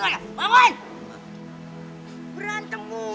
berantem mulu kerjaan lu ini